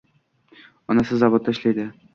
Onasi zavodda ishlaydi